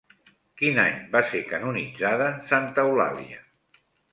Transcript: Quin any va ser canonitzada Santa Eulàlia?